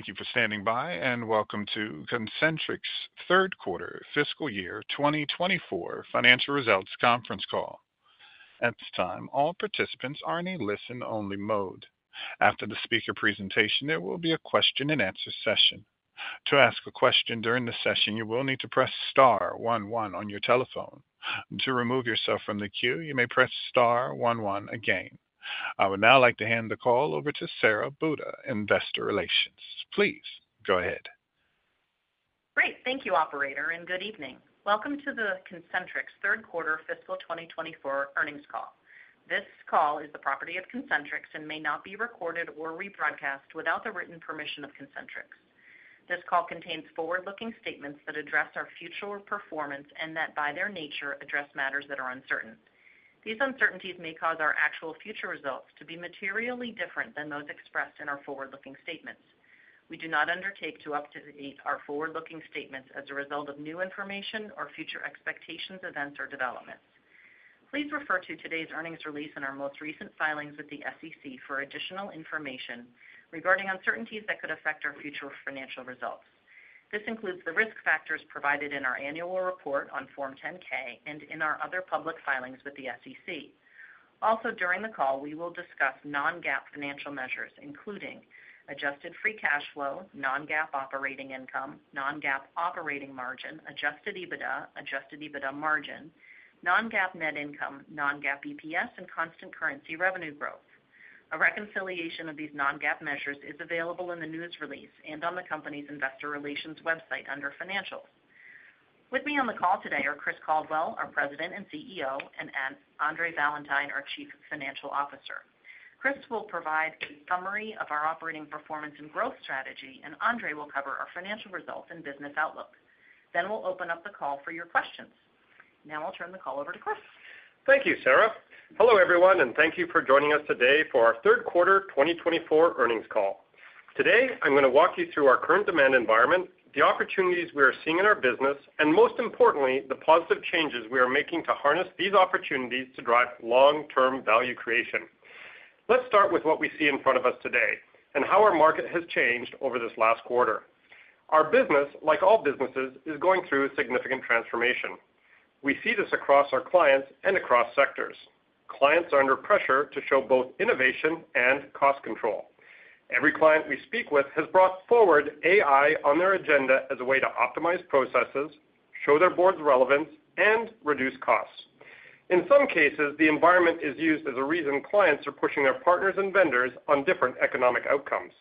Thank you for standing by, and welcome to Concentrix third quarter fiscal year 2024 financial results conference call. At this time, all participants are in a listen-only mode. After the speaker presentation, there will be a question-and-answer session. To ask a question during the session, you will need to press star one one on your telephone. To remove yourself from the queue, you may press star one one again. I would now like to hand the call over to Sara Buda, Investor Relations. Please go ahead. Great. Thank you, operator, and good evening. Welcome to the Concentrix third quarter fiscal 2024 earnings call. This call is the property of Concentrix and may not be recorded or rebroadcast without the written permission of Concentrix. This call contains forward-looking statements that address our future performance and that, by their nature, address matters that are uncertain. These uncertainties may cause our actual future results to be materially different than those expressed in our forward-looking statements. We do not undertake to update our forward-looking statements as a result of new information or future expectations, events, or developments. Please refer to today's earnings release and our most recent filings with the SEC for additional information regarding uncertainties that could affect our future financial results. This includes the risk factors provided in our annual report on Form 10-K and in our other public filings with the SEC. Also, during the call, we will discuss non-GAAP financial measures, including adjusted free cash flow, non-GAAP operating income, non-GAAP operating margin, adjusted EBITDA, adjusted EBITDA margin, non-GAAP net income, non-GAAP EPS, and constant currency revenue growth. A reconciliation of these non-GAAP measures is available in the news release and on the company's investor relations website under Financials. With me on the call today are Chris Caldwell, our President and CEO, and Andre Valentine, our Chief Financial Officer. Chris will provide a summary of our operating performance and growth strategy, and Andre will cover our financial results and business outlook. Then we'll open up the call for your questions. Now I'll turn the call over to Chris. Thank you, Sara. Hello, everyone, and thank you for joining us today for our third quarter 2024 earnings call. Today, I'm going to walk you through our current demand environment, the opportunities we are seeing in our business, and most importantly, the positive changes we are making to harness these opportunities to drive long-term value creation. Let's start with what we see in front of us today and how our market has changed over this last quarter. Our business, like all businesses, is going through a significant transformation. We see this across our clients and across sectors. Clients are under pressure to show both innovation and cost control. Every client we speak with has brought forward AI on their agenda as a way to optimize processes, show their board's relevance, and reduce costs. In some cases, the environment is used as a reason clients are pushing their partners and vendors on different economic outcomes.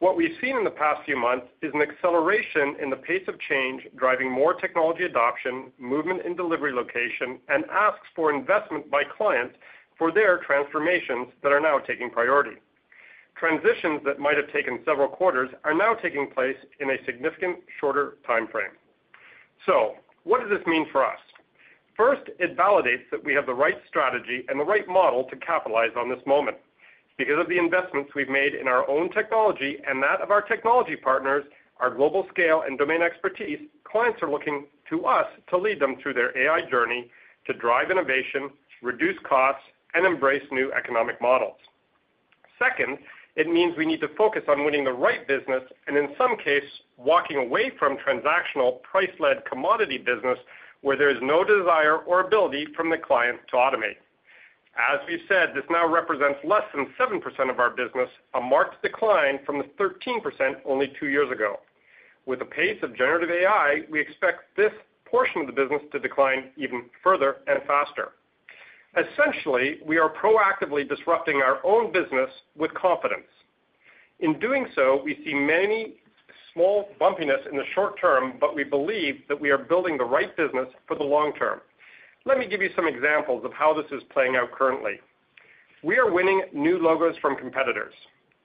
What we've seen in the past few months is an acceleration in the pace of change, driving more technology adoption, movement in delivery location, and asks for investment by clients for their transformations that are now taking priority. Transitions that might have taken several quarters are now taking place in a significant shorter timeframe. So what does this mean for us? First, it validates that we have the right strategy and the right model to capitalize on this moment. Because of the investments we've made in our own technology and that of our technology partners, our global scale and domain expertise, clients are looking to us to lead them through their AI journey, to drive innovation, reduce costs, and embrace new economic models. Second, it means we need to focus on winning the right business and in some cases, walking away from transactional price-led commodity business where there is no desire or ability from the client to automate. As we've said, this now represents less than 7% of our business, a marked decline from the 13% only two years ago. With the pace of generative AI, we expect this portion of the business to decline even further and faster. Essentially, we are proactively disrupting our own business with confidence. In doing so, we see many small bumpiness in the short term, but we believe that we are building the right business for the long term. Let me give you some examples of how this is playing out currently. We are winning new logos from competitors.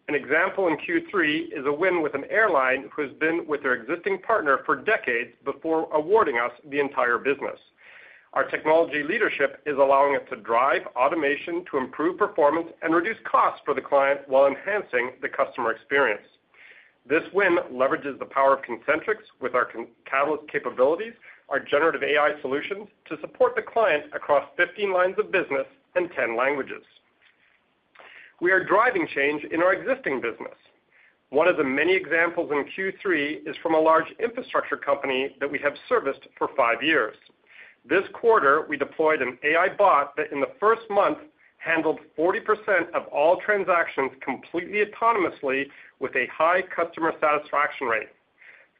An example in Q3 is a win with an airline who has been with their existing partner for decades before awarding us the entire business. Our technology leadership is allowing us to drive automation to improve performance and reduce costs for the client while enhancing the customer experience. This win leverages the power of Concentrix with our Catalyst capabilities, our Generative AI solutions, to support the client across 15 lines of business and 10 languages. We are driving change in our existing business. One of the many examples in Q3 is from a large infrastructure company that we have serviced for 5 years. This quarter, we deployed an AI bot that, in the first month, handled 40% of all transactions completely autonomously with a high customer satisfaction rate.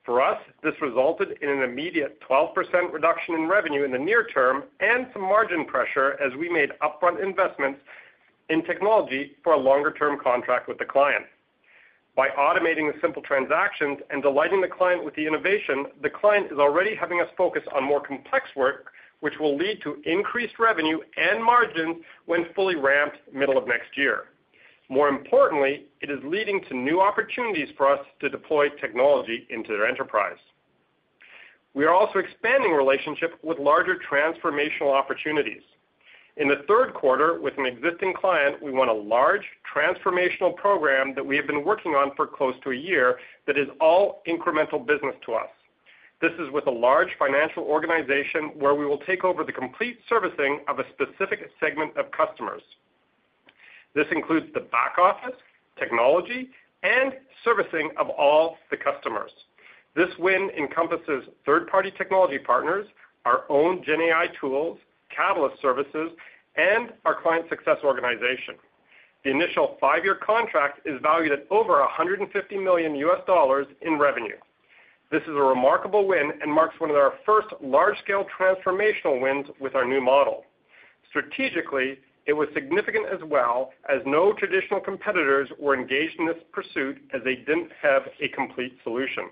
For us, this resulted in an immediate 12% reduction in revenue in the near term and some margin pressure as we made upfront investments in technology for a longer-term contract with the client. By automating the simple transactions and delighting the client with the innovation, the client is already having us focus on more complex work, which will lead to increased revenue and margin when fully ramped middle of next year. More importantly, it is leading to new opportunities for us to deploy technology into their enterprise. We are also expanding relationships with larger transformational opportunities. In the third quarter, with an existing client, we won a large transformational program that we have been working on for close to a year that is all incremental business to us. This is with a large financial organization, where we will take over the complete servicing of a specific segment of customers. This includes the back office, technology, and servicing of all the customers. This win encompasses third-party technology partners, our own GenAI tools, Catalyst services, and our client success organization. The initial five-year contract is valued at over $150 million in revenue. This is a remarkable win and marks one of our first large-scale transformational wins with our new model. Strategically, it was significant as well, as no traditional competitors were engaged in this pursuit as they didn't have a complete solution.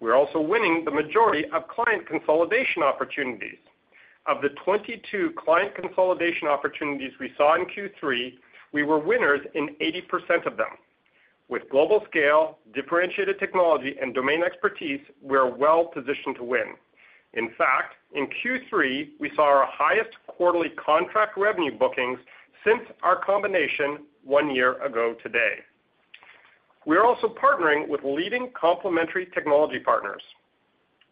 We're also winning the majority of client consolidation opportunities. Of the 22 client consolidation opportunities we saw in Q3, we were winners in 80% of them. With global scale, differentiated technology, and domain expertise, we are well positioned to win. In fact, in Q3, we saw our highest quarterly contract revenue bookings since our combination one year ago today. We are also partnering with leading complementary technology partners.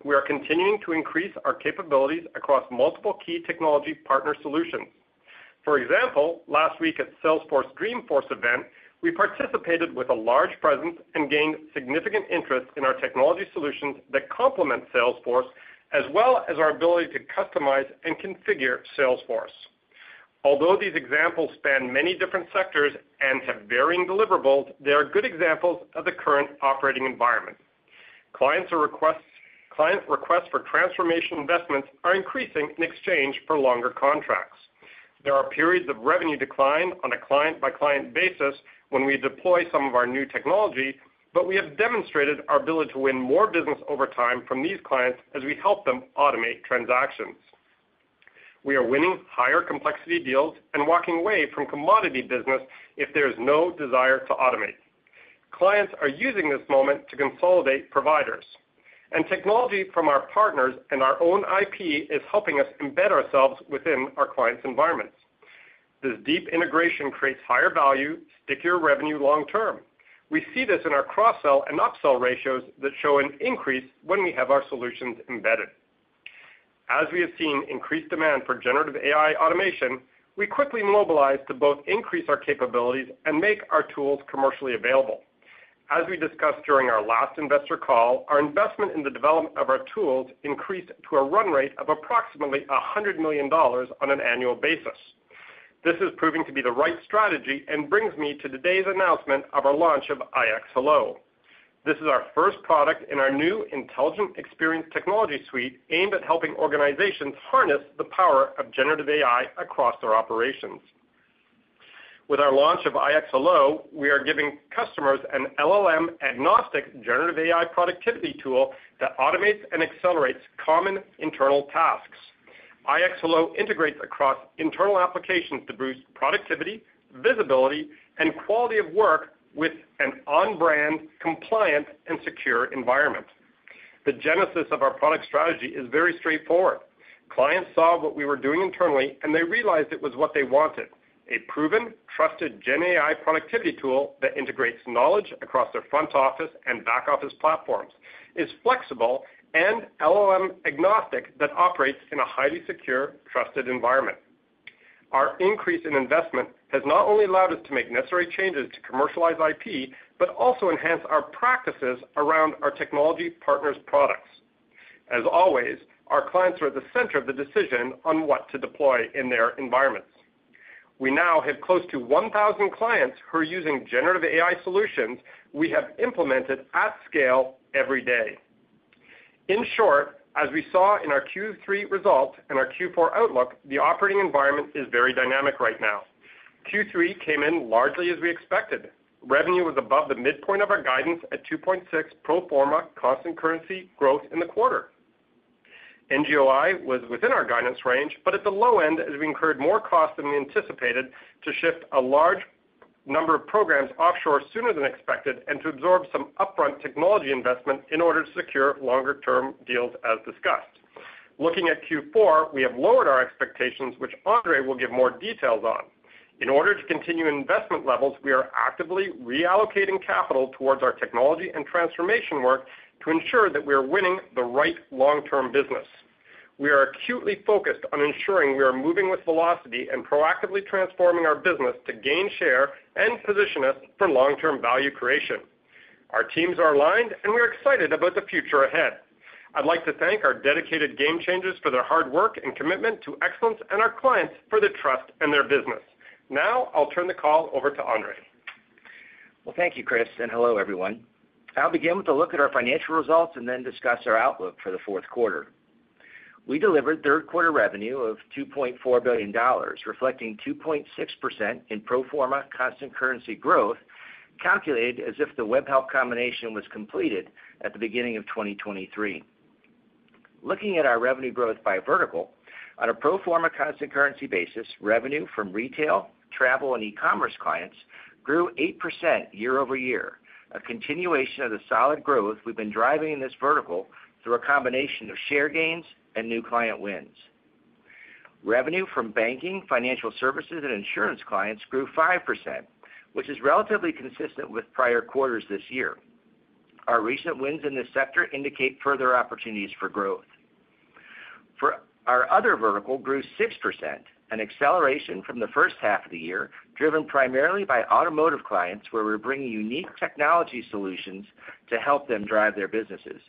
We are continuing to increase our capabilities across multiple key technology partner solutions. For example, last week at Salesforce Dreamforce event, we participated with a large presence and gained significant interest in our technology solutions that complement Salesforce, as well as our ability to customize and configure Salesforce. Although these examples span many different sectors and have varying deliverables, they are good examples of the current operating environment. Client requests for transformation investments are increasing in exchange for longer contracts. There are periods of revenue decline on a client-by-client basis when we deploy some of our new technology, but we have demonstrated our ability to win more business over time from these clients as we help them automate transactions. We are winning higher complexity deals and walking away from commodity business if there is no desire to automate. Clients are using this moment to consolidate providers, and technology from our partners and our own IP is helping us embed ourselves within our clients' environments. This deep integration creates higher value, stickier revenue long term. We see this in our cross-sell and upsell ratios that show an increase when we have our solutions embedded. As we have seen increased demand for generative AI automation, we quickly mobilized to both increase our capabilities and make our tools commercially available. As we discussed during our last investor call, our investment in the development of our tools increased to a run rate of approximately $100 million on an annual basis. This is proving to be the right strategy and brings me to today's announcement of our launch of iX Hello. This is our first product in our new Intelligent Experience technology suite, aimed at helping organizations harness the power of Generative AI across their operations. With our launch of iX Hello, we are giving customers an LLM-agnostic Generative AI productivity tool that automates and accelerates common internal tasks. iX Hello integrates across internal applications to boost productivity, visibility, and quality of work with an on-brand, compliant, and secure environment. The genesis of our product strategy is very straightforward. Clients saw what we were doing internally, and they realized it was what they wanted, a proven, trusted GenAI productivity tool that integrates knowledge across their front office and back office platforms, is flexible and LLM-agnostic that operates in a highly secure, trusted environment. Our increase in investment has not only allowed us to make necessary changes to commercialize IP but also enhance our practices around our technology partners' products. As always, our clients are at the center of the decision on what to deploy in their environments. We now have close to one thousand clients who are using generative AI solutions we have implemented at scale every day. In short, as we saw in our Q3 results and our Q4 outlook, the operating environment is very dynamic right now. Q3 came in largely as we expected. Revenue was above the midpoint of our guidance at 2.6 pro forma constant currency growth in the quarter. NGOI was within our guidance range, but at the low end, as we incurred more costs than we anticipated to shift a large number of programs offshore sooner than expected and to absorb some upfront technology investment in order to secure longer-term deals, as discussed. Looking at Q4, we have lowered our expectations, which Andre will give more details on. In order to continue investment levels, we are actively reallocating capital towards our technology and transformation work to ensure that we are winning the right long-term business. We are acutely focused on ensuring we are moving with velocity and proactively transforming our business to gain share and position us for long-term value creation. Our teams are aligned, and we are excited about the future ahead. I'd like to thank our dedicated Game Changers for their hard work and commitment to excellence, and our clients for their trust and their business. Now I'll turn the call over to Andre. Thank you, Chris, and hello, everyone. I'll begin with a look at our financial results and then discuss our outlook for the fourth quarter. We delivered third quarter revenue of $2.4 billion, reflecting 2.6% in pro forma constant currency growth, calculated as if the Webhelp combination was completed at the beginning of 2023. Looking at our revenue growth by vertical, on a pro forma constant currency basis, revenue from retail, travel, and e-commerce clients grew 8% year-over-year, a continuation of the solid growth we've been driving in this vertical through a combination of share gains and new client wins. Revenue from banking, financial services, and insurance clients grew 5%, which is relatively consistent with prior quarters this year. Our recent wins in this sector indicate further opportunities for growth. For our other vertical grew 6%, an acceleration from the first half of the year, driven primarily by automotive clients, where we're bringing unique technology solutions to help them drive their businesses.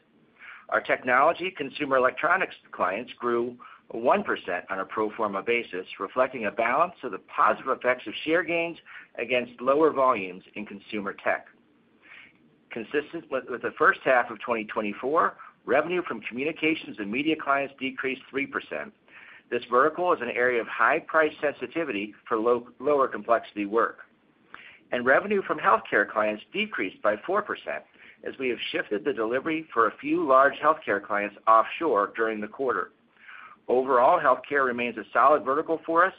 Our technology consumer electronics clients grew 1% on a pro forma basis, reflecting a balance of the positive effects of share gains against lower volumes in consumer tech. Consistent with the first half of 2024, revenue from communications and media clients decreased 3%. This vertical is an area of high price sensitivity for lower complexity work. And revenue from healthcare clients decreased by 4%, as we have shifted the delivery for a few large healthcare clients offshore during the quarter. Overall, healthcare remains a solid vertical for us,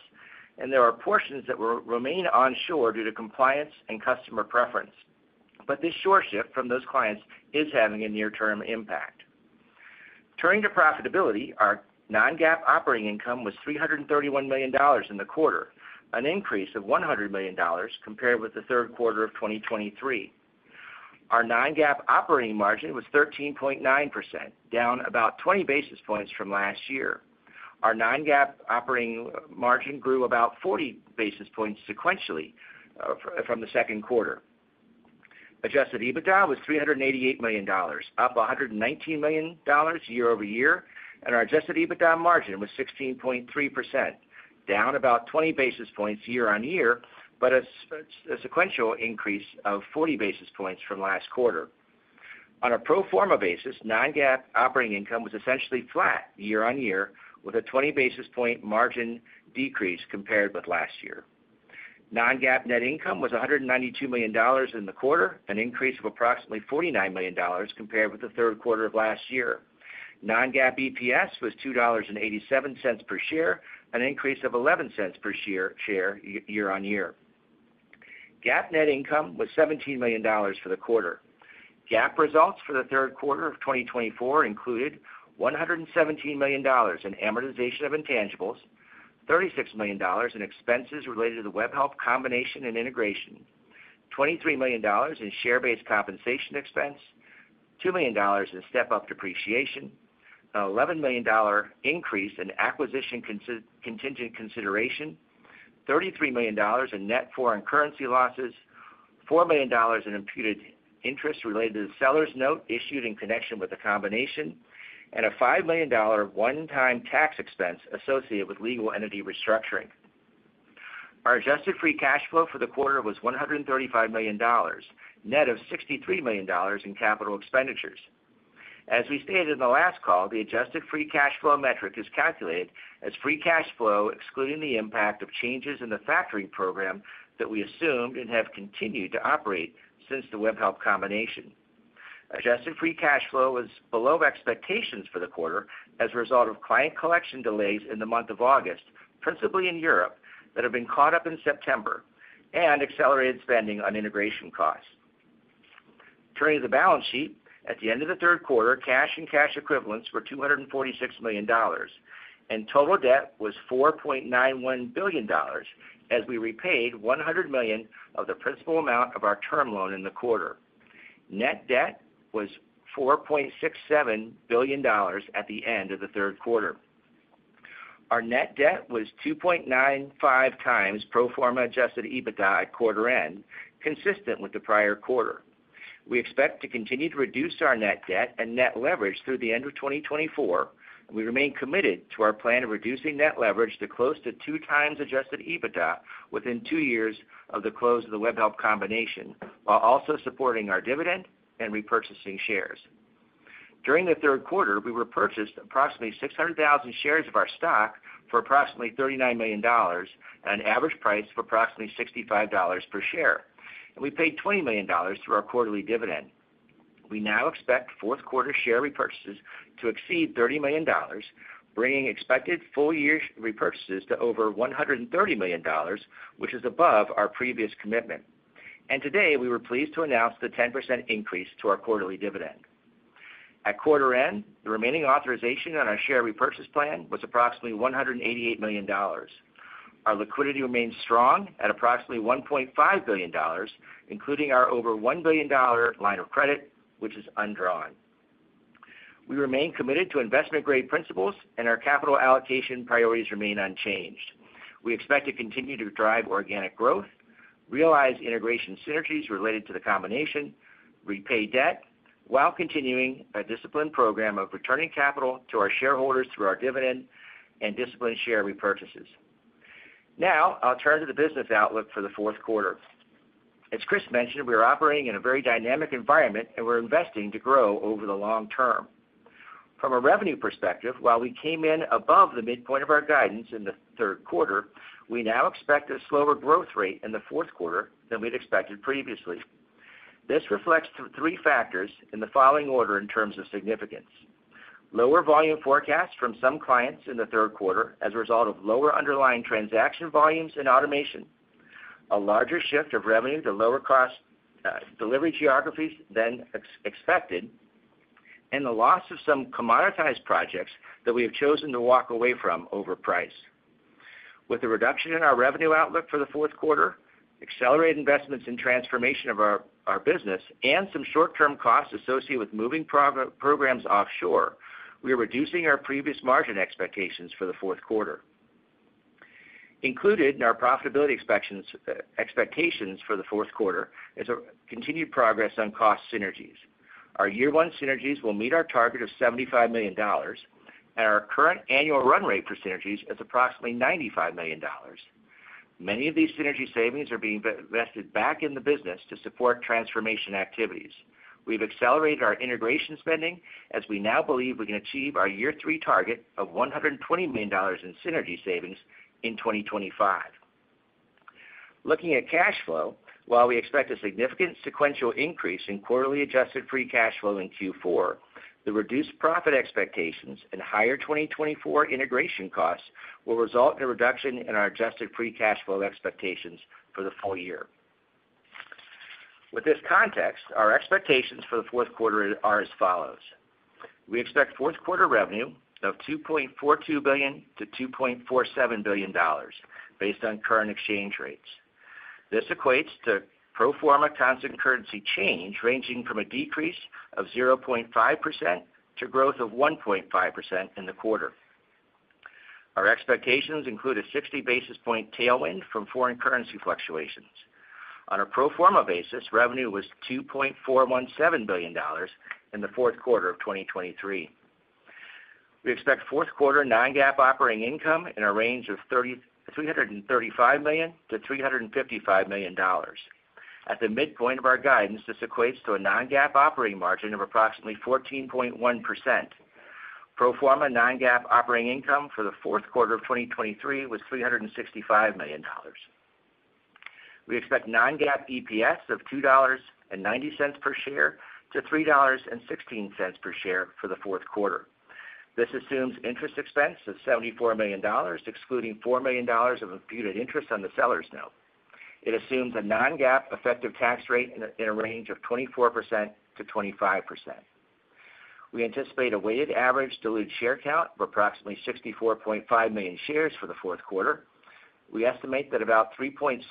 and there are portions that remain onshore due to compliance and customer preference. But this short shift from those clients is having a near-term impact. Turning to profitability, our non-GAAP operating income was $331 million in the quarter, an increase of $100 million compared with the third quarter of 2023. Our non-GAAP operating margin was 13.9%, down about 20 basis points from last year. Our non-GAAP operating margin grew about 40 basis points sequentially from the second quarter. Adjusted EBITDA was $388 million, up $119 million year-over-year, and our adjusted EBITDA margin was 16.3%, down about 20 basis points year-on-year, but a sequential increase of 40 basis points from last quarter. On a pro forma basis, non-GAAP operating income was essentially flat year-on-year, with a 20 basis point margin decrease compared with last year. Non-GAAP net income was $192 million in the quarter, an increase of approximately $49 million compared with the third quarter of last year. Non-GAAP EPS was $2.87 per share, an increase of 11 cents per share year-on-year. GAAP net income was $17 million for the quarter. GAAP results for the third quarter of 2024 included $117 million in amortization of intangibles, $36 million in expenses related to the Webhelp combination and integration, $23 million in share-based compensation expense, $2 million in step-up depreciation, an $11 million increase in acquisition contingent consideration, $33 million in net foreign currency losses, $4 million in imputed interest related to the seller's note issued in connection with the combination, and a $5 million one-time tax expense associated with legal entity restructuring. Our adjusted free cash flow for the quarter was $135 million, net of $63 million in capital expenditures. As we stated in the last call, the adjusted free cash flow metric is calculated as free cash flow, excluding the impact of changes in the factoring program that we assumed and have continued to operate since the Webhelp combination. Adjusted free cash flow was below expectations for the quarter as a result of client collection delays in the month of August, principally in Europe, that have been caught up in September and accelerated spending on integration costs. Turning to the balance sheet, at the end of the third quarter, cash and cash equivalents were $246 million, and total debt was $4.91 billion, as we repaid $100 million of the principal amount of our term loan in the quarter. Net debt was $4.67 billion at the end of the third quarter. Our net debt was 2.95 times pro forma adjusted EBITDA at quarter end, consistent with the prior quarter. We expect to continue to reduce our net debt and net leverage through the end of 2024, and we remain committed to our plan of reducing net leverage to close to two times adjusted EBITDA within two years of the close of the Webhelp combination, while also supporting our dividend and repurchasing shares. During the third quarter, we repurchased approximately 600,000 shares of our stock for approximately $39 million at an average price of approximately $65 per share, and we paid $20 million through our quarterly dividend. We now expect fourth quarter share repurchases to exceed $30 million, bringing expected full year repurchases to over $130 million, which is above our previous commitment. Today, we were pleased to announce the 10% increase to our quarterly dividend. At quarter end, the remaining authorization on our share repurchase plan was approximately $188 million. Our liquidity remains strong at approximately $1.5 billion, including our over $1 billion line of credit, which is undrawn. We remain committed to investment-grade principles, and our capital allocation priorities remain unchanged. We expect to continue to drive organic growth, realize integration synergies related to the combination, repay debt, while continuing a disciplined program of returning capital to our shareholders through our dividend and disciplined share repurchases. Now, I'll turn to the business outlook for the fourth quarter. As Chris mentioned, we are operating in a very dynamic environment, and we're investing to grow over the long term. From a revenue perspective, while we came in above the midpoint of our guidance in the third quarter, we now expect a slower growth rate in the fourth quarter than we'd expected previously. This reflects three factors in the following order in terms of significance: Lower volume forecasts from some clients in the third quarter as a result of lower underlying transaction volumes and automation, a larger shift of revenue to lower cost delivery geographies than expected, and the loss of some commoditized projects that we have chosen to walk away from over price. With the reduction in our revenue outlook for the fourth quarter, accelerated investments in transformation of our business, and some short-term costs associated with moving programs offshore, we are reducing our previous margin expectations for the fourth quarter. Included in our profitability expectations for the fourth quarter is a continued progress on cost synergies. Our year one synergies will meet our target of $75 million, and our current annual run rate for synergies is approximately $95 million. Many of these synergy savings are being invested back in the business to support transformation activities. We've accelerated our integration spending, as we now believe we can achieve our year three target of $120 million in synergy savings in 2025. Looking at cash flow, while we expect a significant sequential increase in quarterly adjusted free cash flow in Q4, the reduced profit expectations and higher 2024 integration costs will result in a reduction in our adjusted free cash flow expectations for the full year. With this context, our expectations for the fourth quarter are as follows: We expect fourth quarter revenue of $2.42 billion-$2.47 billion, based on current exchange rates. This equates to pro forma constant currency change, ranging from a decrease of 0.5% to growth of 1.5% in the quarter. Our expectations include a 60 basis point tailwind from foreign currency fluctuations. On a pro forma basis, revenue was $2.417 billion in the fourth quarter of 2023. We expect fourth quarter non-GAAP operating income in a range of $335 million-$355 million. At the midpoint of our guidance, this equates to a non-GAAP operating margin of approximately 14.1%. Pro forma non-GAAP operating income for the fourth quarter of 2023 was $365 million. We expect non-GAAP EPS of $2.90-$3.16 per share for the fourth quarter. This assumes interest expense of $74 million, excluding $4 million of imputed interest on the sellers note. It assumes a non-GAAP effective tax rate in a range of 24%-25%. We anticipate a weighted average diluted share count of approximately 64.5 million shares for the fourth quarter. We estimate that about 3.7%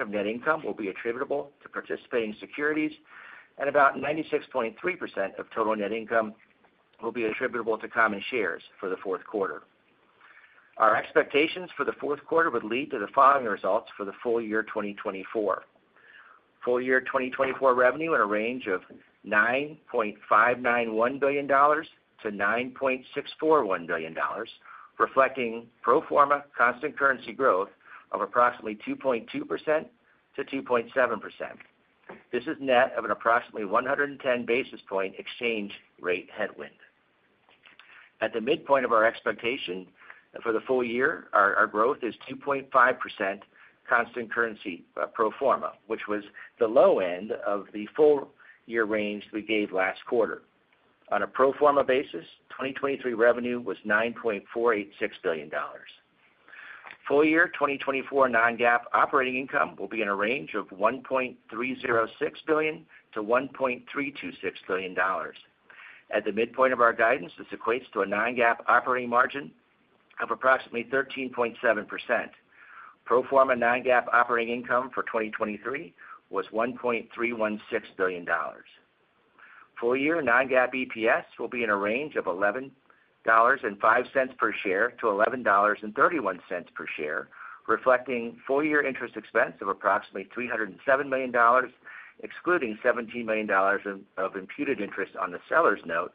of net income will be attributable to participating securities, and about 96.3% of total net income will be attributable to common shares for the fourth quarter. Our expectations for the fourth quarter would lead to the following results for the full year 2024. Full year 2024 revenue in a range of $9.591 billion-$9.641 billion, reflecting pro forma constant currency growth of approximately 2.2%-2.7%. This is net of an approximately 110 basis point exchange rate headwind. At the midpoint of our expectation for the full year, our growth is 2.5% constant currency, pro forma, which was the low end of the full year range we gave last quarter. On a pro forma basis, 2023 revenue was $9.486 billion. Full year 2024 non-GAAP operating income will be in a range of $1.306 billion-$1.326 billion. At the midpoint of our guidance, this equates to a non-GAAP operating margin of approximately 13.7%. Pro forma non-GAAP operating income for 2023 was $1.316 billion. Full year non-GAAP EPS will be in a range of $11.05 per share-$11.31 per share, reflecting full-year interest expense of approximately $307 million, excluding $17 million of imputed interest on the sellers note,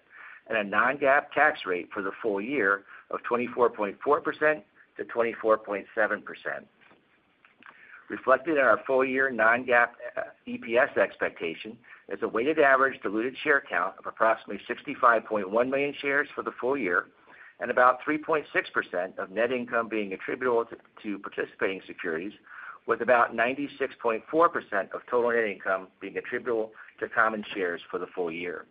and a non-GAAP tax rate for the full year of 24.4%-24.7%. Reflected in our full-year non-GAAP EPS expectation is a weighted average diluted share count of approximately 65.1 million shares for the full year, and about 3.6% of net income being attributable to participating securities, with about 96.4% of total net income being attributable to common shares for the full year.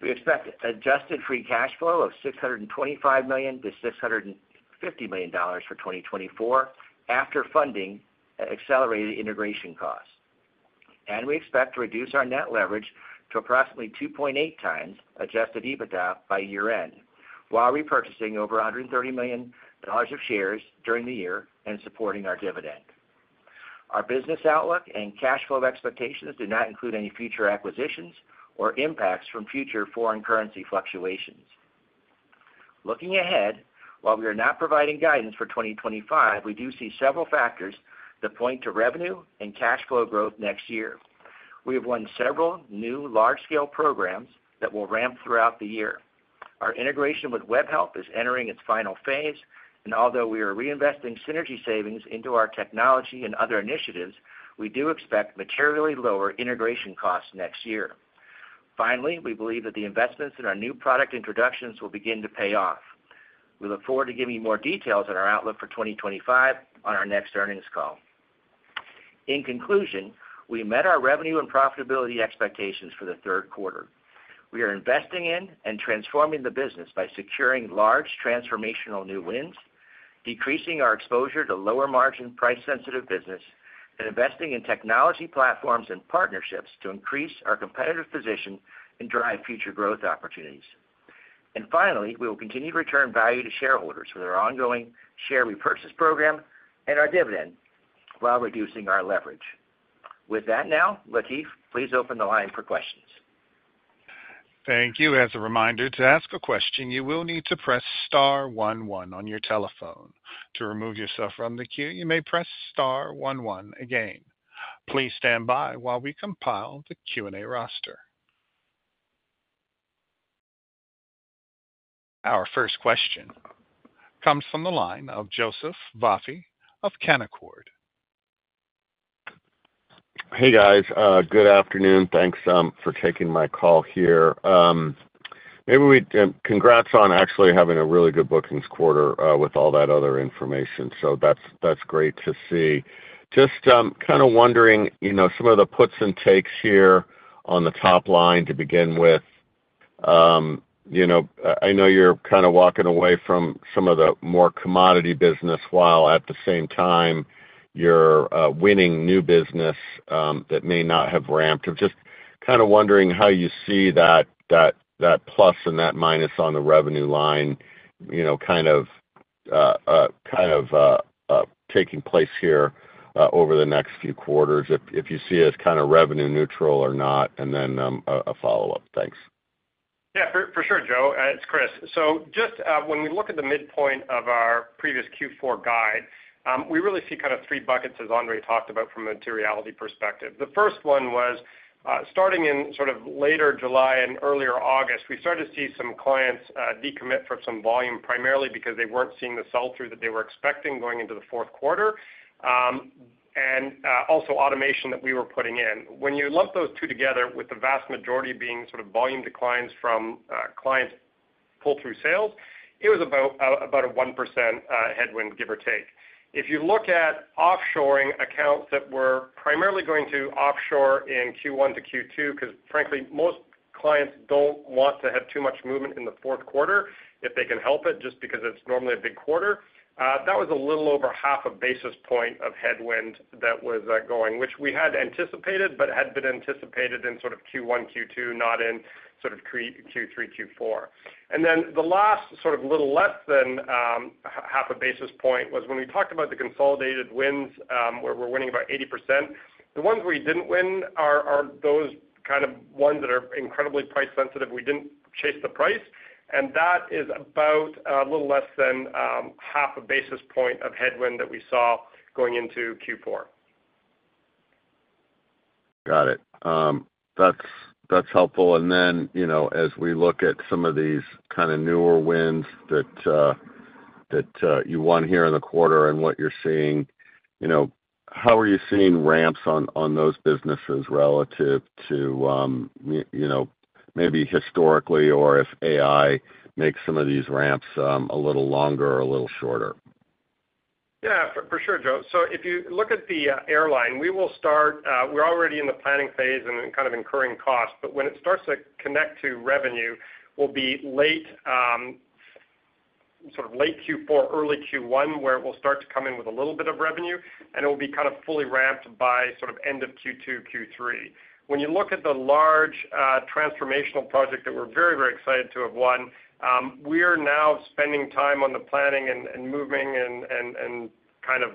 We expect adjusted free cash flow of $625 million-$650 million for 2024 after funding accelerated integration costs. We expect to reduce our net leverage to approximately 2.8 times adjusted EBITDA by year-end, while repurchasing over $130 million of shares during the year and supporting our dividend. Our business outlook and cash flow expectations do not include any future acquisitions or impacts from future foreign currency fluctuations. Looking ahead, while we are not providing guidance for twenty twenty-five, we do see several factors that point to revenue and cash flow growth next year. We have won several new large-scale programs that will ramp throughout the year. Our integration with Webhelp is entering its final phase, and although we are reinvesting synergy savings into our technology and other initiatives, we do expect materially lower integration costs next year. Finally, we believe that the investments in our new product introductions will begin to pay off. We look forward to giving you more details on our outlook for twenty twenty-five on our next earnings call. In conclusion, we met our revenue and profitability expectations for the third quarter. We are investing in and transforming the business by securing large transformational new wins, Decreasing our exposure to lower margin, price-sensitive business, and investing in technology platforms and partnerships to increase our competitive position and drive future growth opportunities, and finally, we will continue to return value to shareholders through our ongoing share repurchase program and our dividend, while reducing our leverage. With that now, Lateef, please open the line for questions. Thank you. As a reminder, to ask a question, you will need to press star one one on your telephone. To remove yourself from the queue, you may press star one one again. Please stand by while we compile the Q&A roster. Our first question comes from the line of Joseph Vafi of Canaccord. Hey, guys, good afternoon. Thanks for taking my call here and congrats on actually having a really good bookings quarter, with all that other information. So that's great to see. Just kind of wondering, you know, some of the puts and takes here on the top line to begin with. You know, I know you're kind of walking away from some of the more commodity business, while at the same time, you're winning new business that may not have ramped. I'm just kind of wondering how you see that plus and that minus on the revenue line, you know, kind of taking place here over the next few quarters, if you see it as kind of revenue neutral or not, and then a follow-up. Thanks. Yeah, for sure, Joe. It's Chris. So just, when we look at the midpoint of our previous Q4 guide, we really see kind of three buckets, as Andre talked about from a materiality perspective. The first one was, starting in sort of later July and earlier August, we started to see some clients, decommit from some volume, primarily because they weren't seeing the sell-through that they were expecting going into the fourth quarter, and also automation that we were putting in. When you lump those two together, with the vast majority being sort of volume declines from, clients' pull-through sales, it was about a 1% headwind, give or take. If you look at offshoring accounts that were primarily going to offshore in Q1 to Q2, because frankly, most clients don't want to have too much movement in the fourth quarter if they can help it, just because it's normally a big quarter. That was a little over half a basis point of headwind that was going, which we had anticipated, but had been anticipated in sort of Q1, Q2, not in sort of Q3, Q4. And then the last sort of little less than half a basis point was when we talked about the consolidated wins, where we're winning about 80%. The ones we didn't win are those kind of ones that are incredibly price sensitive. We didn't chase the price, and that is about a little less than half a basis point of headwind that we saw going into Q4. Got it. That's, that's helpful. And then, you know, as we look at some of these kind of newer wins that you won here in the quarter and what you're seeing, you know, how are you seeing ramps on those businesses relative to, you know, maybe historically, or if AI makes some of these ramps a little longer or a little shorter? Yeah, for sure, Joe. So if you look at the airline, we will start. We're already in the planning phase and kind of incurring costs, but when it starts to connect to revenue, we'll be late sort of late Q4, early Q1, where it will start to come in with a little bit of revenue, and it will be kind of fully ramped by sort of end of Q2, Q3. When you look at the large transformational project that we're very, very excited to have won, we are now spending time on the planning and moving and kind of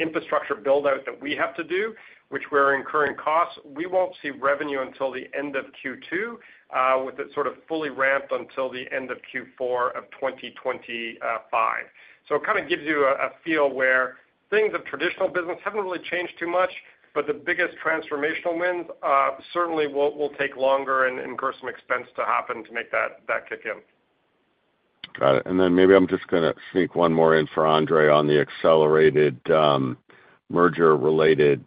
infrastructure build-out that we have to do, which we're incurring costs. We won't see revenue until the end of Q2 with it sort of fully ramped until the end of Q4 of 2025. So it kind of gives you a feel where things of traditional business haven't really changed too much, but the biggest transformational wins certainly will take longer and incur some expense to happen to make that kick in. Got it. And then maybe I'm just gonna sneak one more in for Andre on the accelerated merger-related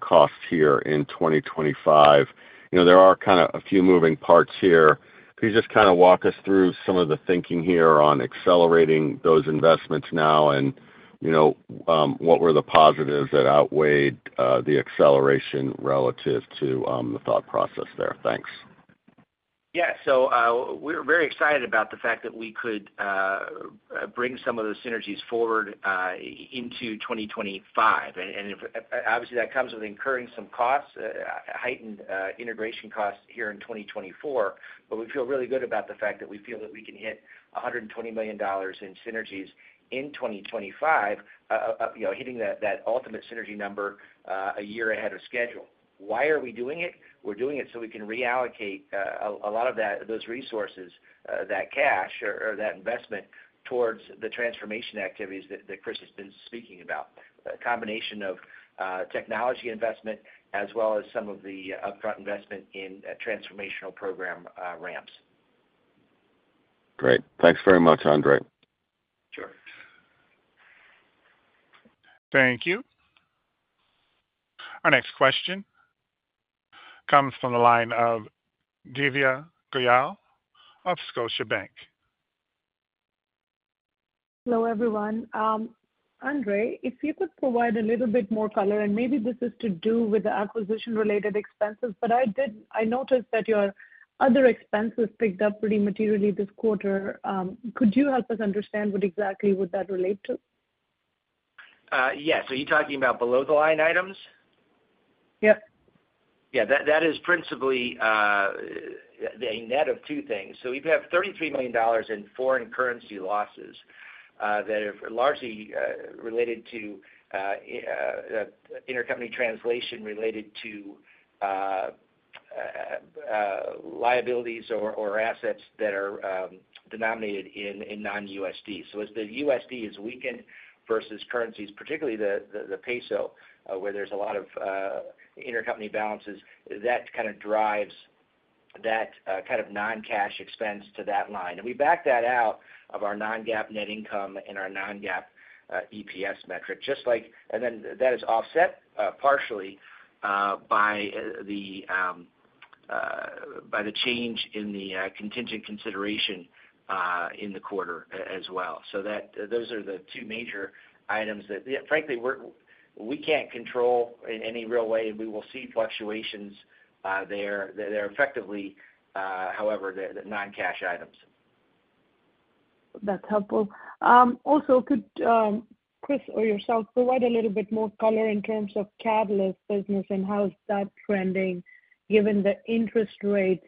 costs here in 2025. You know, there are kind of a few moving parts here. Can you just kind of walk us through some of the thinking here on accelerating those investments now? And, you know, what were the positives that outweighed the acceleration relative to the thought process there? Thanks. Yeah. So, we're very excited about the fact that we could bring some of those synergies forward into 2025. And, obviously, that comes with incurring some costs, heightened integration costs here in 2024, but we feel really good about the fact that we feel that we can hit $120 million in synergies in 2025, you know, hitting that ultimate synergy number a year ahead of schedule. Why are we doing it? We're doing it so we can reallocate a lot of those resources, that cash or that investment towards the transformation activities that Chris has been speaking about. A combination of technology investment as well as some of the upfront investment in transformational program ramps. Great. Thanks very much, Andre. Sure. Thank you. Our next question comes from the line of Divya Goyal of Scotiabank. Hello, everyone, Andre, if you could provide a little bit more color, and maybe this is to do with the acquisition-related expenses, but I noticed that your other expenses picked up pretty materially this quarter. Could you help us understand what exactly would that relate to? Yes. Are you talking about below-the-line items? Yep. Yeah, that is principally a net of two things. So we have $33 million in foreign currency losses that are largely related to intercompany translation related to liabilities or assets that are denominated in non-USD. So as the USD is weakened versus currencies, particularly the peso, where there's a lot of intercompany balances, that kind of drives that kind of non-cash expense to that line. And we back that out of our non-GAAP net income and our non-GAAP EPS metric, just like... And then that is offset partially by the change in the contingent consideration in the quarter as well. So those are the two major items that, frankly, we can't control in any real way, and we will see fluctuations there. They're effectively, however, the non-cash items. That's helpful. Also, could Chris or yourself provide a little bit more color in terms of Catalyst business and how is that trending, given the interest rates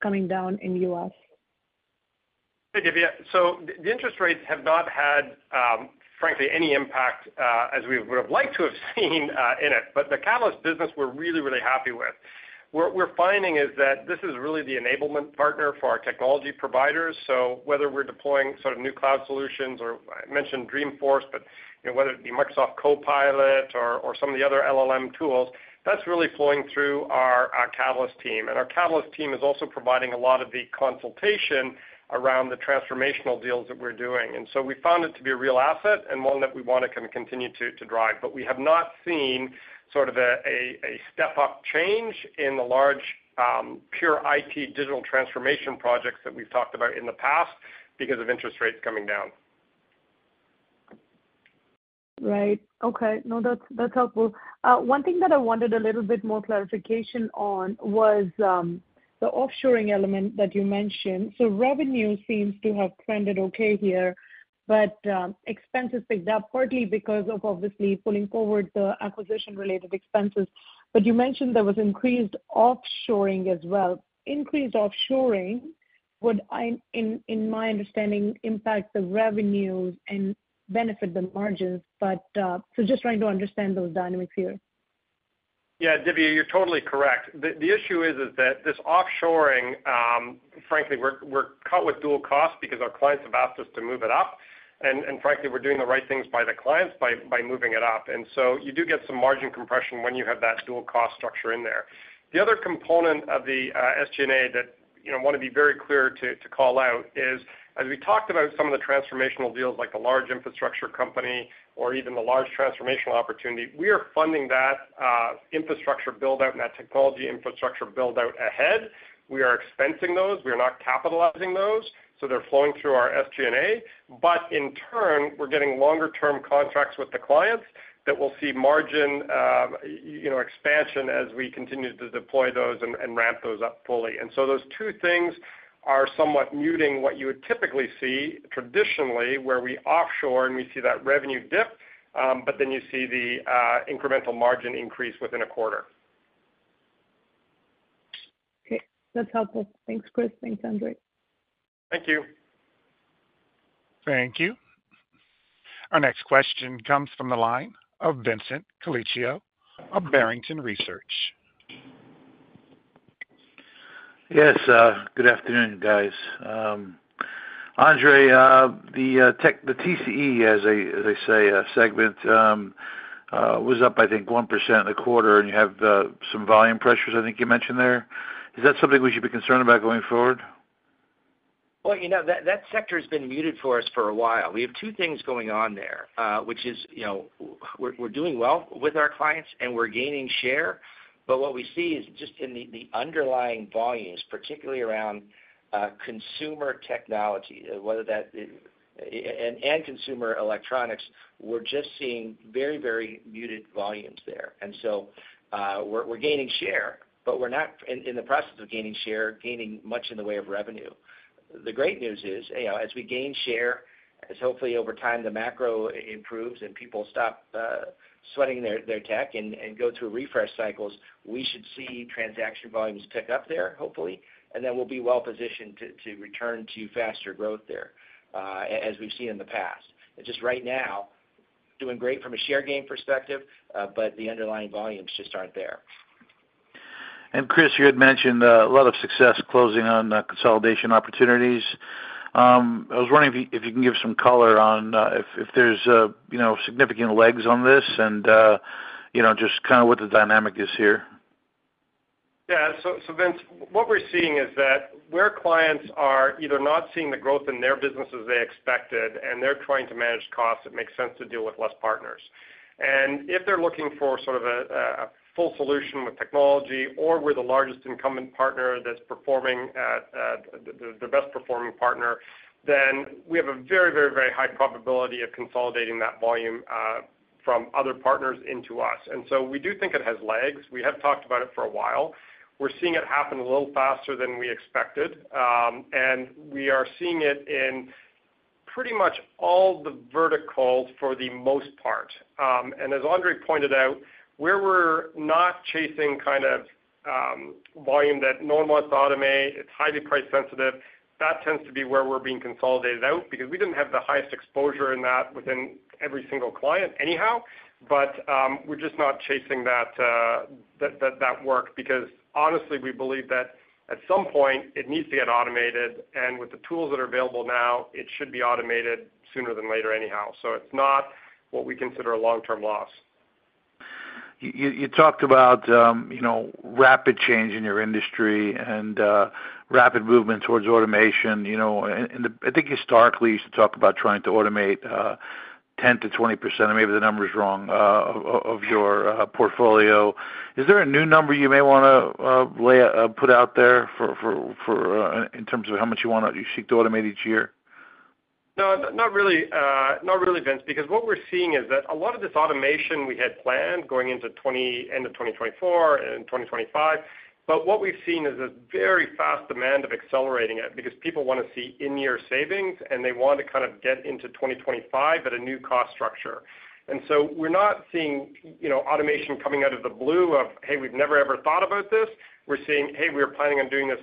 coming down in U.S.? Hey, Divya. So the interest rates have not had, frankly, any impact as we would have liked to have seen in it. But the Catalyst business, we're really, really happy with. What we're finding is that this is really the enablement partner for our technology providers. So whether we're deploying sort of new cloud solutions, or I mentioned Dreamforce, but, you know, whether it be Microsoft Copilot or some of the other LLM tools, that's really flowing through our Catalyst team. And our Catalyst team is also providing a lot of the consultation around the transformational deals that we're doing. And so we found it to be a real asset and one that we want to kind of continue to drive. But we have not seen sort of a step-up change in the large pure IT digital transformation projects that we've talked about in the past because of interest rates coming down. Right. Okay. No, that's, that's helpful. One thing that I wanted a little bit more clarification on was the offshoring element that you mentioned. So, revenue seems to have trended okay here, but expenses picked up partly because of, obviously, pulling forward the acquisition-related expenses. But you mentioned there was increased offshoring as well. Increased offshoring would, in my understanding, impact the revenues and benefit the margins. But, so just trying to understand those dynamics here. Yeah, Divya, you're totally correct. The issue is that this offshoring, frankly, we're caught with dual costs because our clients have asked us to move it up, and frankly, we're doing the right things by the clients by moving it up. And so you do get some margin compression when you have that dual cost structure in there. The other component of the SG&A that, you know, I want to be very clear to call out is, as we talked about some of the transformational deals, like the large infrastructure company or even the large transformational opportunity, we are funding that infrastructure build-out and that technology infrastructure build-out ahead. We are expensing those. We are not capitalizing those, so they're flowing through our SG&A. But in turn, we're getting longer-term contracts with the clients that will see margin, you know, expansion as we continue to deploy those and ramp those up fully. And so those two things are somewhat muting what you would typically see traditionally, where we offshore, and we see that revenue dip, but then you see the incremental margin increase within a quarter. Okay. That's helpful. Thanks, Chris. Thanks, Andre. Thank you. Thank you. Our next question comes from the line of Vincent Colicchio of Barrington Research. Yes, good afternoon, guys. Andre, the tech- the TCE, as they say, segment was up, I think, 1% in the quarter, and you have some volume pressures I think you mentioned there. Is that something we should be concerned about going forward? You know, that sector has been muted for us for a while. We have two things going on there, which is, you know, we're doing well with our clients, and we're gaining share. But what we see is just in the underlying volumes, particularly around consumer technology, whether that and consumer electronics, we're just seeing very, very muted volumes there. And so, we're gaining share, but we're not, in the process of gaining share, gaining much in the way of revenue. The great news is, you know, as we gain share, as hopefully over time, the macro improves and people stop, sweating their tech and go through refresh cycles, we should see transaction volumes tick up there, hopefully, and then we'll be well positioned to return to faster growth there, as we've seen in the past. Just right now, doing great from a share gain perspective, but the underlying volumes just aren't there. Chris, you had mentioned a lot of success closing on consolidation opportunities. I was wondering if you can give some color on if there's you know significant legs on this and you know just kind of what the dynamic is here. Yeah, so Vince, what we're seeing is that where clients are either not seeing the growth in their business as they expected, and they're trying to manage costs, it makes sense to deal with less partners. And if they're looking for sort of a full solution with technology, or we're the largest incumbent partner that's performing at the best performing partner, then we have a very high probability of consolidating that volume from other partners into us. And so we do think it has legs. We have talked about it for a while. We're seeing it happen a little faster than we expected, and we are seeing it in pretty much all the verticals for the most part. And as Andre pointed out, where we're not chasing kind of volume that no one wants to automate, it's highly price sensitive, that tends to be where we're being consolidated out, because we didn't have the highest exposure in that within every single client anyhow. But, we're just not chasing that work, because honestly, we believe that at some point, it needs to get automated, and with the tools that are available now, it should be automated sooner than later anyhow. So it's not what we consider a long-term loss. You talked about, you know, rapid change in your industry and rapid movement towards automation, you know, and I think historically, you used to talk about trying to automate 10%-20%, or maybe the number is wrong, of your portfolio. Is there a new number you may wanna put out there for in terms of how much you wanna seek to automate each year? No, not really. Not really, Vince, because what we're seeing is that a lot of this automation we had planned going into 20 - end of 2024 and 2025, but what we've seen is a very fast demand of accelerating it, because people wanna see in-year savings, and they want to kind of get into 2025 at a new cost structure. And so we're not seeing, you know, automation coming out of the blue of, "Hey, we've never, ever thought about this." We're seeing, "Hey, we were planning on doing this,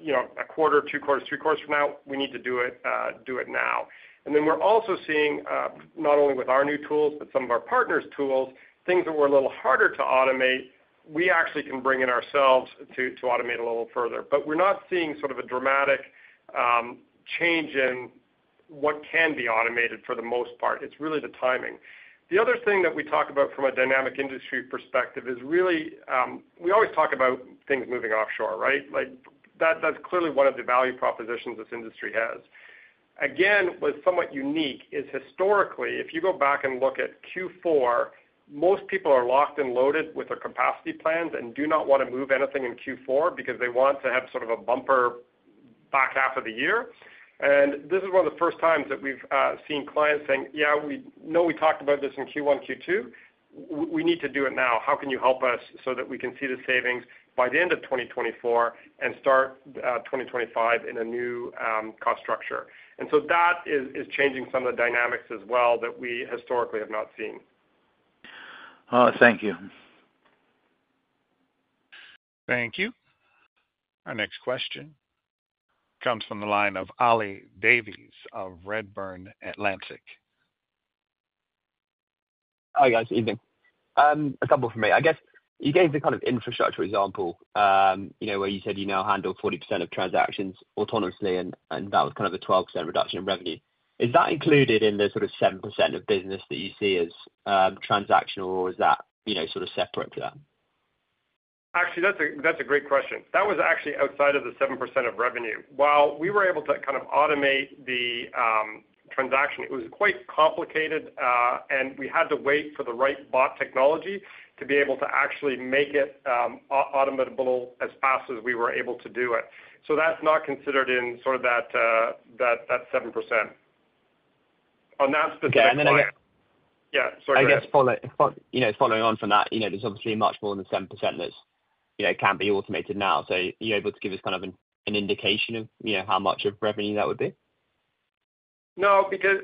you know, a quarter, two quarters, three quarters from now, we need to do it, do it now." And then we're also seeing, not only with our new tools, but some of our partners' tools, things that were a little harder to automate, we actually can bring in ourselves to automate a little further. But we're not seeing sort of a dramatic change in what can be automated for the most part, it's really the timing. The other thing that we talk about from a dynamic industry perspective is really we always talk about things moving offshore, right? Like, that's clearly one of the value propositions this industry has. Again, what's somewhat unique is historically, if you go back and look at Q4, most people are locked and loaded with their capacity plans and do not wanna move anything in Q4, because they want to have sort of a bumper back half of the year. And this is one of the first times that we've seen clients saying, "Yeah, we know we talked about this in Q1, Q2, we need to do it now. How can you help us so that we can see the savings by the end of 2024 and start 2025 in a new cost structure?" And so that is changing some of the dynamics as well, that we historically have not seen. Thank you. Thank you. Our next question comes from the line of Ollie Davies of Redburn Atlantic. Hi, guys. Evening. A couple from me. I guess you gave the kind of infrastructure example, you know, where you said you now handle 40% of transactions autonomously, and that was kind of a 12% reduction in revenue. Is that included in the sort of 7% of business that you see as transactional, or is that, you know, sort of separate to that? Actually, that's a great question. That was actually outside of the 7% of revenue. While we were able to kind of automate the transaction, it was quite complicated, and we had to wait for the right bot technology to be able to actually make it automatible as fast as we were able to do it. So that's not considered in sort of that seven percent. On that specific plan- Okay, and then- Yeah, sorry, go ahead. I guess, following on from that, you know, there's obviously much more than 7% that, you know, can be automated now. So are you able to give us kind of an indication of, you know, how much of revenue that would be? No, because,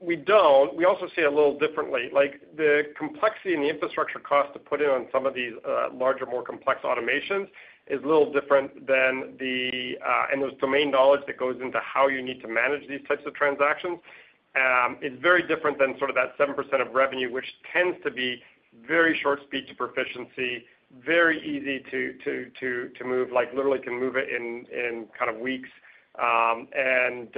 we don't. We also see it a little differently. Like, the complexity and the infrastructure cost to put in on some of these, larger, more complex automations is a little different than the. And those domain knowledge that goes into how you need to manage these types of transactions, is very different than sort of that 7% of revenue, which tends to be very short speed to proficiency, very easy to move, like, literally can move it in kind of weeks, and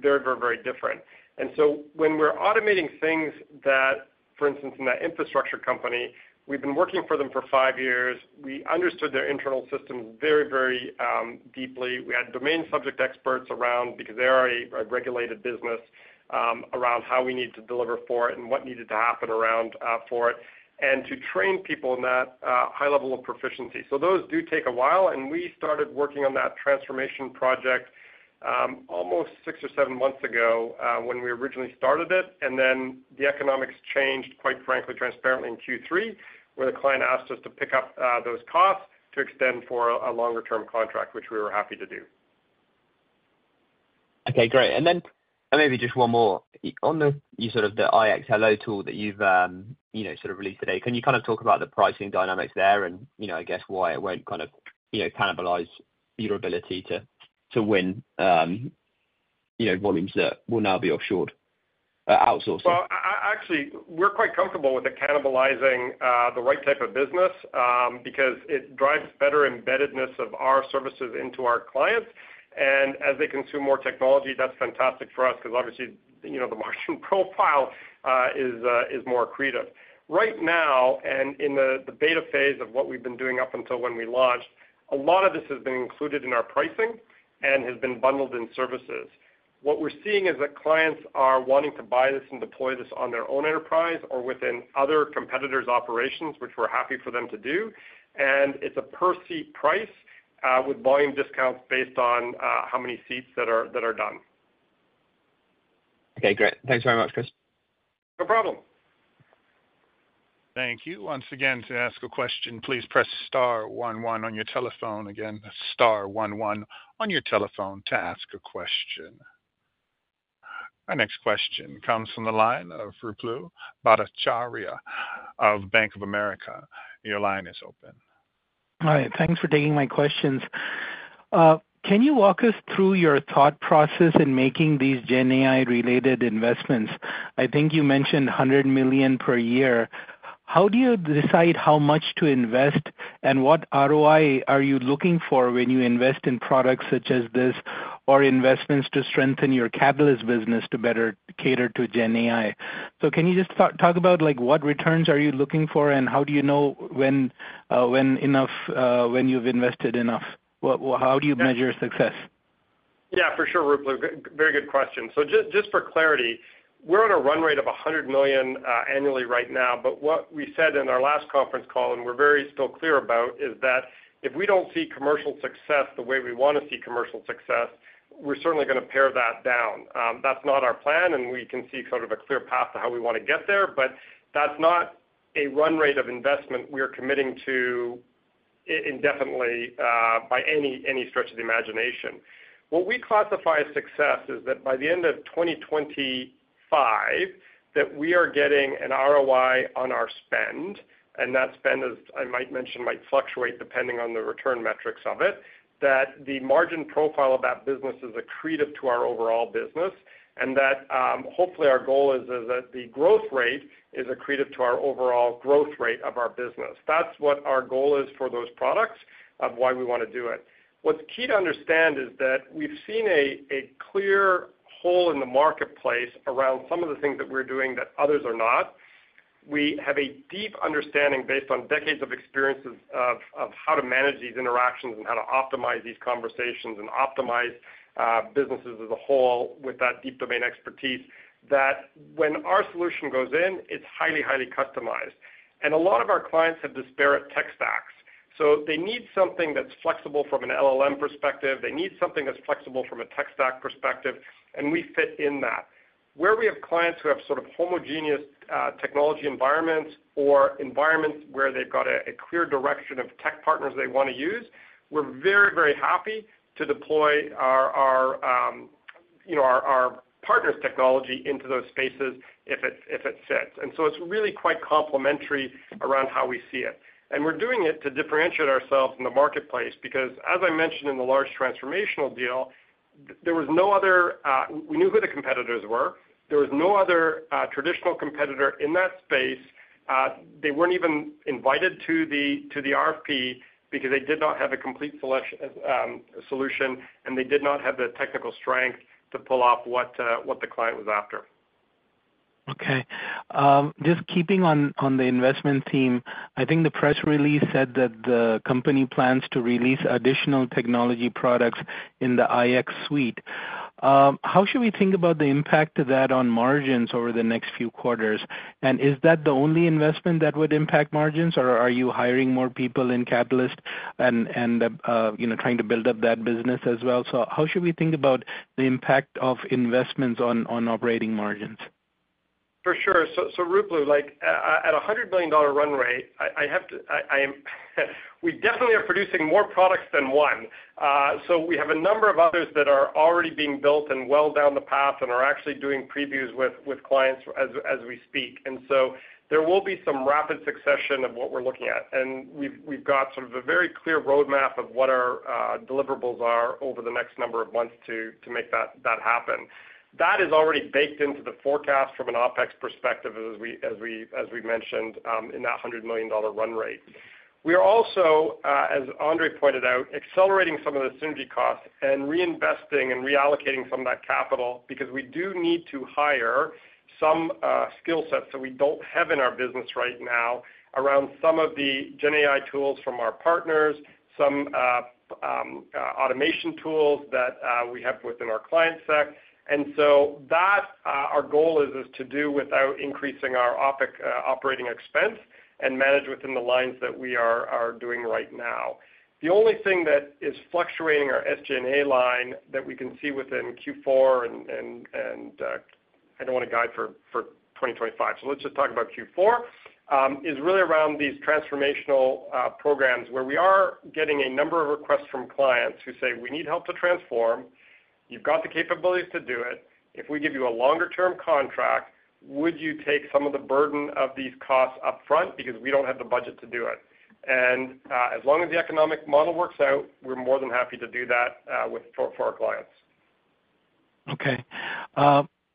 very, very, very different. And so when we're automating things that, for instance, in that infrastructure company, we've been working for them for five years. We understood their internal system very, very deeply. We had domain subject experts around because they're already a regulated business, around how we need to deliver for it and what needed to happen around, for it, and to train people in that, high level of proficiency. So those do take a while, and we started working on that transformation project, almost six or seven months ago, when we originally started it, and then the economics changed, quite frankly, transparently in Q3, where the client asked us to pick up, those costs to extend for a longer-term contract, which we were happy to do. Okay, great. And then, and maybe just one more. Yeah, on the, you sort of the IX Hello tool that you've, you know, sort of released today, can you kind of talk about the pricing dynamics there? And, you know, I guess why it won't kind of, you know, cannibalize your ability to win, you know, volumes that will now be offshored, outsourced? Actually, we're quite comfortable with cannibalizing the right type of business because it drives better embeddedness of our services into our clients, and as they consume more technology, that's fantastic for us, because obviously, you know, the margin profile is more accretive. Right now and in the beta phase of what we've been doing up until when we launched, a lot of this has been included in our pricing and has been bundled in services. What we're seeing is that clients are wanting to buy this and deploy this on their own enterprise or within other competitors' operations, which we're happy for them to do, and it's a per-seat price with volume discounts based on how many seats that are done.... Okay, great. Thanks very much, Chris. No problem. Thank you. Once again, to ask a question, please press star one one on your telephone. Again, star one one on your telephone to ask a question. Our next question comes from the line of Ruplu Bhattacharya of Bank of America. Your line is open. Hi, thanks for taking my questions. Can you walk us through your thought process in making these GenAI-related investments? I think you mentioned $100 million per year. How do you decide how much to invest, and what ROI are you looking for when you invest in products such as this, or investments to strengthen your Catalyst business to better cater to GenAI? So can you just talk about, like, what returns are you looking for, and how do you know when enough, when you've invested enough? How do you measure success? Yeah, for sure, Ruplu. Very good question. So just, just for clarity, we're on a run rate of $100 million annually right now, but what we said in our last conference call, and we're very still clear about, is that if we don't see commercial success the way we wanna see commercial success, we're certainly gonna pare that down. That's not our plan, and we can see sort of a clear path to how we wanna get there, but that's not a run rate of investment we are committing to indefinitely, by any, any stretch of the imagination. What we classify as success is that by the end of 2025, that we are getting an ROI on our spend, and that spend, as I might mention, might fluctuate depending on the return metrics of it, that the margin profile of that business is accretive to our overall business, and that, hopefully, our goal is that the growth rate is accretive to our overall growth rate of our business. That's what our goal is for those products, of why we wanna do it. What's key to understand is that we've seen a clear hole in the marketplace around some of the things that we're doing that others are not. We have a deep understanding, based on decades of experiences, of how to manage these interactions and how to optimize these conversations and optimize businesses as a whole with that deep domain expertise, that when our solution goes in, it's highly, highly customized. And a lot of our clients have disparate tech stacks, so they need something that's flexible from an LLM perspective. They need something that's flexible from a tech stack perspective, and we fit in that. Where we have clients who have sort of homogeneous technology environments or environments where they've got a clear direction of tech partners they wanna use, we're very, very happy to deploy our, you know, our partners' technology into those spaces if it, if it fits. And so it's really quite complementary around how we see it. And we're doing it to differentiate ourselves in the marketplace because, as I mentioned in the large transformational deal, there was no other. We knew who the competitors were. There was no other traditional competitor in that space. They weren't even invited to the RFP because they did not have a complete solution, and they did not have the technical strength to pull off what, what the client was after. Okay. Just keeping on the investment theme, I think the press release said that the company plans to release additional technology products in the iX suite. How should we think about the impact of that on margins over the next few quarters? And is that the only investment that would impact margins, or are you hiring more people in Catalyst and you know, trying to build up that business as well? So how should we think about the impact of investments on operating margins? For sure. So Ruplu, like, at a $100 billion run rate, I have to... I am, we definitely are producing more products than one. So, we have a number of others that are already being built and well down the path and are actually doing previews with clients as we speak. And so there will be some rapid succession of what we're looking at, and we've got sort of a very clear roadmap of what our deliverables are over the next number of months to make that happen. That is already baked into the forecast from an OpEx perspective, as we mentioned, in that $100 million run rate. We are also, as Andre pointed out, accelerating some of the synergy costs and reinvesting and reallocating some of that capital because we do need to hire some skill sets that we don't have in our business right now around some of the GenAI tools from our partners, some automation tools that we have within our client set. And so that our goal is to do without increasing our OpEx operating expense and manage within the lines that we are doing right now. The only thing that is fluctuating our SG&A line that we can see within Q4 and I don't want to guide for 2025, so let's just talk about Q4 is really around these transformational programs where we are getting a number of requests from clients who say, "We need help to transform. You've got the capabilities to do it. If we give you a longer term contract, would you take some of the burden of these costs upfront? Because we don't have the budget to do it." And as long as the economic model works out, we're more than happy to do that for our clients. Okay.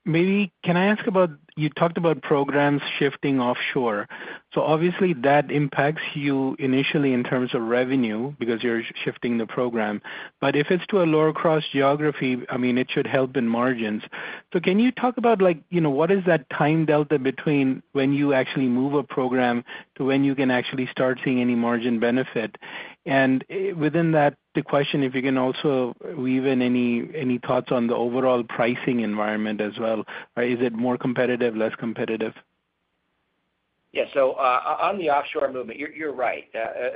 Maybe can I ask about, you talked about programs shifting offshore. So obviously that impacts you initially in terms of revenue, because you're shifting the program. But if it's to a lower cost geography, I mean, it should help in margins. So can you talk about, like, you know, what is that time delta between when you actually move a program to when you can actually start seeing any margin benefit? And, within that, the question, if you can also weave in any thoughts on the overall pricing environment as well. Is it more competitive, less competitive?... Yeah, so, on the offshore movement, you're, you're right.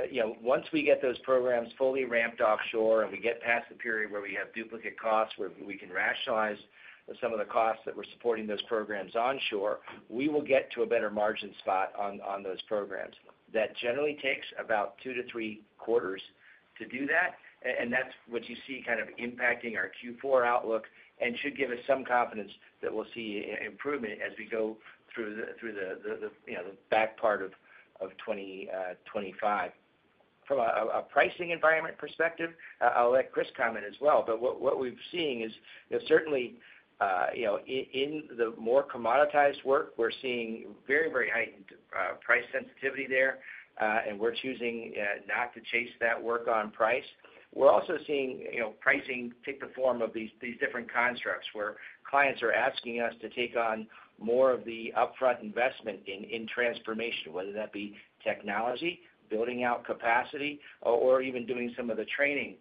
You know, once we get those programs fully ramped offshore, and we get past the period where we have duplicate costs, where we can rationalize some of the costs that we're supporting those programs onshore, we will get to a better margin spot on, on those programs. That generally takes about two to three quarters to do that, and that's what you see kind of impacting our Q4 outlook and should give us some confidence that we'll see improvement as we go through the, you know, the back part of, of twenty, twenty-five. From a pricing environment perspective, I'll let Chris comment as well, but what we've seen is that certainly, you know, in the more commoditized work, we're seeing very, very heightened price sensitivity there, and we're choosing not to chase that work on price. We're also seeing, you know, pricing take the form of these different constructs, where clients are asking us to take on more of the upfront investment in transformation, whether that be technology, building out capacity, or even doing some of the training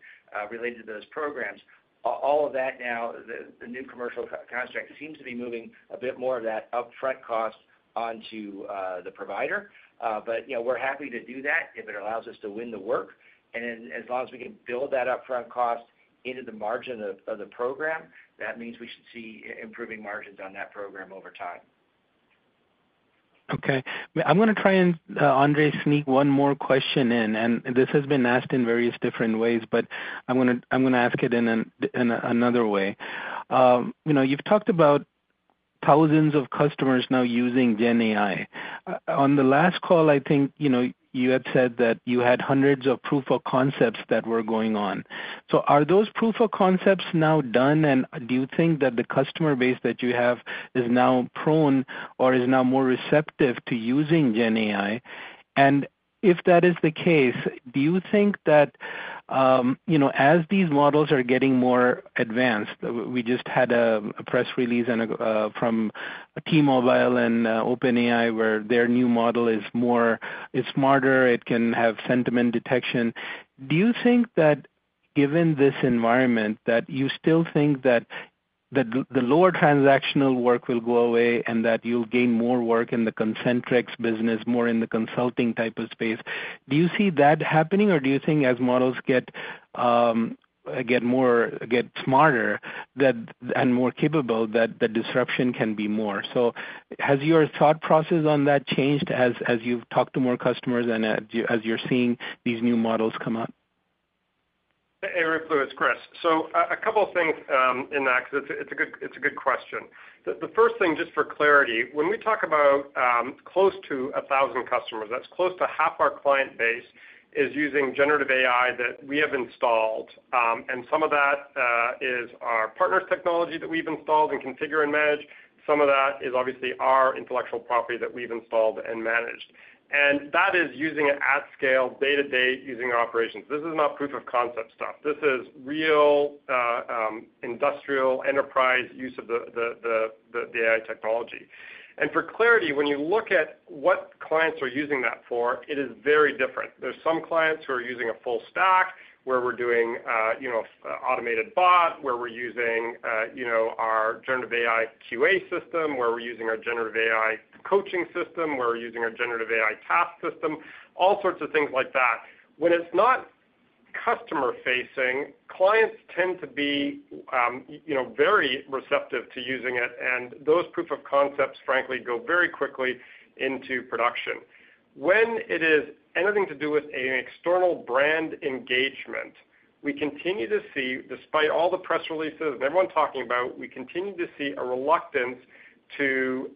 related to those programs. All of that now, the new commercial construct seems to be moving a bit more of that upfront cost onto the provider. But, you know, we're happy to do that if it allows us to win the work, and as long as we can build that upfront cost into the margin of the program, that means we should see improving margins on that program over time. Okay. I'm gonna try and, Andre, sneak one more question in, and this has been asked in various different ways, but I'm gonna ask it in another way. You know, you've talked about thousands of customers now using GenAI. On the last call, I think, you know, you had said that you had hundreds of proof of concepts that were going on. So are those proof of concepts now done? And do you think that the customer base that you have is now prone or is now more receptive to using GenAI? And if that is the case, do you think that, you know, as these models are getting more advanced. We just had a press release from T-Mobile and OpenAI, where their new model is more - it's smarter, it can have sentiment detection. Do you think that, given this environment, that you still think that the lower transactional work will go away and that you'll gain more work in the Concentrix business, more in the consulting type of space? Do you see that happening, or do you think as models get more, get smarter, that and more capable, that the disruption can be more? So has your thought process on that changed as you've talked to more customers and as you're seeing these new models come up? Hey, Ruplu, it's Chris. So a couple of things in that, because it's a good question. The first thing, just for clarity, when we talk about close to a thousand customers, that's close to half our client base is using generative AI that we have installed. And some of that is our partners' technology that we've installed and configured and manage. Some of that is obviously our intellectual property that we've installed and managed. And that is using it at scale, day-to-day, using our operations. This is not proof of concept stuff. This is real industrial enterprise use of the AI technology. And for clarity, when you look at what clients are using that for, it is very different. There's some clients who are using a full stack, where we're doing, you know, automated bot, where we're using, you know, our generative AI QA system, where we're using our generative AI coaching system, where we're using our generative AI task system, all sorts of things like that. When it's not customer facing, clients tend to be, you know, very receptive to using it, and those proof of concepts, frankly, go very quickly into production. When it is anything to do with an external brand engagement, we continue to see, despite all the press releases and everyone talking about, we continue to see a reluctance to,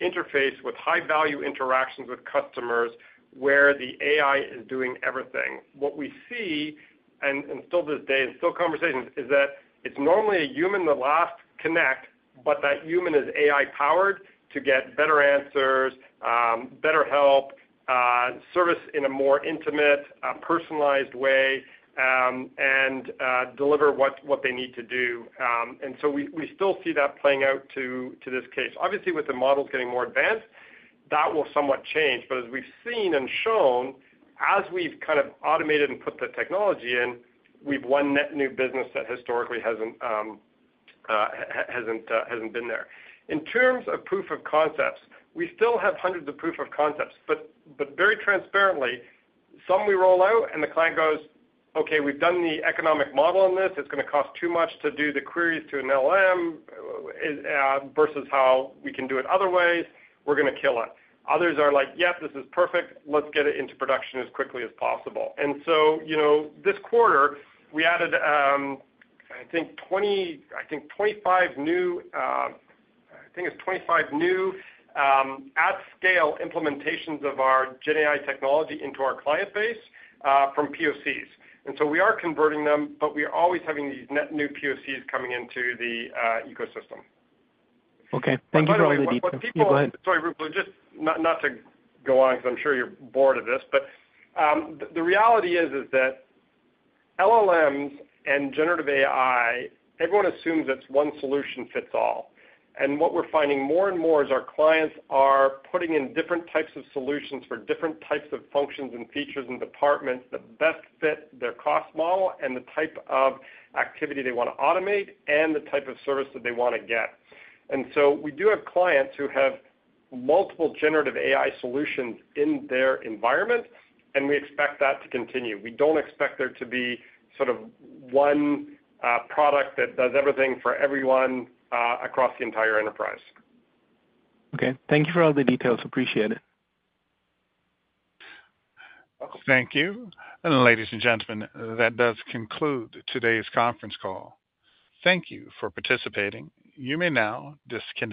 interface with high-value interactions with customers, where the AI is doing everything. What we see, and still this day, and still conversations, is that it's normally a human, the last connect, but that human is AI-powered to get better answers, better help, service in a more intimate, personalized way, and deliver what they need to do. And so we still see that playing out to this case. Obviously, with the models getting more advanced, that will somewhat change. But as we've seen and shown, as we've kind of automated and put the technology in, we've won net new business that historically hasn't been there. In terms of proof of concepts, we still have hundreds of proof of concepts, but very transparently, some we roll out, and the client goes, "Okay, we've done the economic model on this. It's gonna cost too much to do the queries to an LLM versus how we can do it other ways. We're gonna kill it. Others are like, "Yes, this is perfect. Let's get it into production as quickly as possible." And so, you know, this quarter, we added. I think 25 new at scale implementations of our GenAI technology into our client base from POCs. And so we are converting them, but we are always having these net new POCs coming into the ecosystem. Okay, thank you for all the details. And by the way, but people- Yeah, go ahead. Sorry, Ruplu, just not to go on, because I'm sure you're bored of this, but the reality is that LLMs and generative AI, everyone assumes it's one solution fits all. And what we're finding more and more is our clients are putting in different types of solutions for different types of functions and features and departments that best fit their cost model and the type of activity they want to automate and the type of service that they want to get. And so we do have clients who have multiple generative AI solutions in their environment, and we expect that to continue. We don't expect there to be sort of one product that does everything for everyone across the entire enterprise. Okay. Thank you for all the details. Appreciate it. Thank you. And ladies and gentlemen, that does conclude today's conference call. Thank you for participating. You may now disconnect.